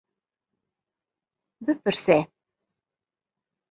Bipirse.